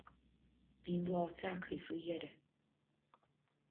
Bhí an lá tagtha faoi dheireadh.